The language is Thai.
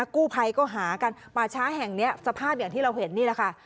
กู้ภัยก็หากันป่าช้าแห่งนี้สภาพอย่างที่เราเห็นนี่แหละค่ะ